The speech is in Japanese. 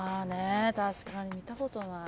確かに見たことない。